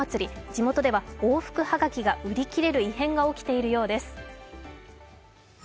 地元では往復はがきが売り切れる異変が起きているようです。